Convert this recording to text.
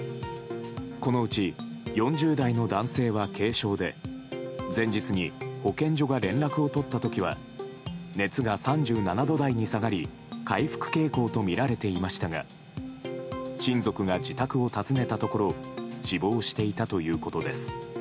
このうち４０代の男性は軽症で前日に保健所が連絡を取った時は熱が３７度台に下がり回復傾向とみられていましたが親族が自宅を訪ねたところ死亡していたということです。